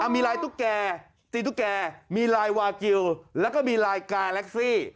มีลายตุ๊กแก่มีลายวาเกิลมีลายการ์แรคซี่